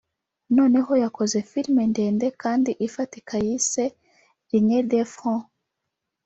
noneho yakoze film ndende kandi ifatika yise « Ligne de front »